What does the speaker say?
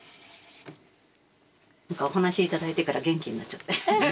お話頂いてから元気になっちゃって。